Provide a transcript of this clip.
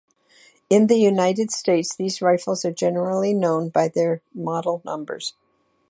In the United States, these rifles are generally known by their model numbers.